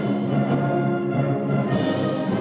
lagu kebangsaan indonesia raya